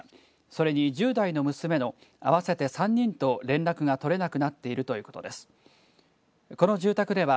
それに１０代の娘の合わせて３人と連絡が取れなくなっているということです。